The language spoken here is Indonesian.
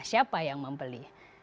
siapa yang membeli